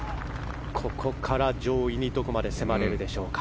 ここから上位にどこまで迫れるか。